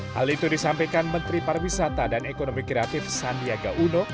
hal itu disampaikan menteri pariwisata dan ekonomi kreatif sandiaga uno